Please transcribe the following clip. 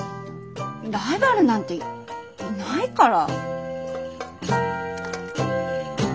ライバルなんていないから。